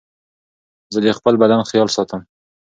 زه د خپل بدن خيال ساتم.